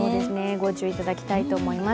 ご注意いただきたいと思います。